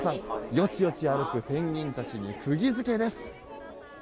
よちよち歩くペンギンたちに釘付けです。